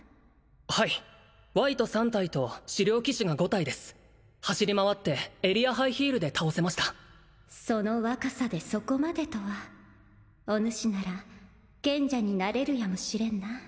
はいワイト３体と死霊騎士が５体です走り回ってエリアハイヒールで倒せましたその若さでそこまでとはおぬしなら賢者になれるやもしれんな